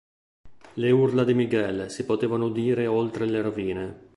Le urla di Miguel si potevano udire oltre le rovine.